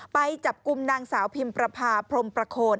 ไปจับกลุ่มนางสาวพิมประพาพรมประโคน